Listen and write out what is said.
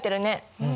うん。